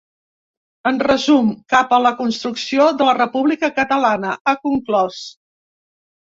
En resum, cap a la construcció de la república catalana, ha conclòs.